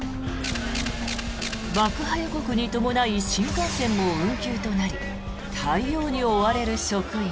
爆破予告に伴い新幹線も運休となり対応に追われる職員。